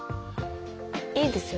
いいですよね